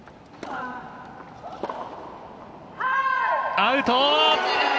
アウト！